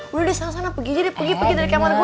lo udah sana sana pergi aja deh pergi pergi dari kamar gue